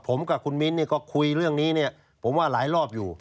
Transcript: ผมกับคุณมิ้นก็คุยเรื่องนี้เนี่ยผมว่าหลายรอบอยู่